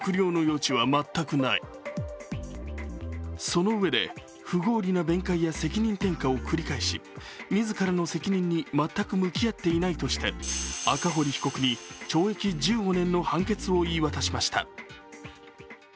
そのうえで、不合理な弁解や責任転嫁を繰り返し自らの責任に全く向き合っていないとして赤堀被告に懲役１５年の判決を言い渡しました。